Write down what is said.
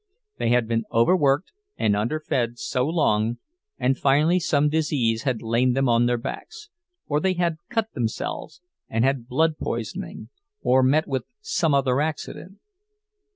They had been overworked and underfed so long, and finally some disease had laid them on their backs; or they had cut themselves, and had blood poisoning, or met with some other accident.